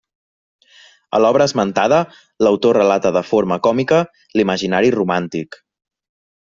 A l'obra esmentada, l'autor relata de forma còmica l'imaginari romàntic.